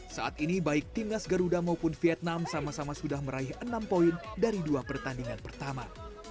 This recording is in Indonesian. saat ini baik timnas garuda maupun vietnam sama sama sudah meraih enam poin dari dua pertandingan pertama